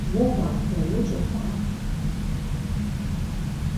Mu p̌a do muç̌o p̌a?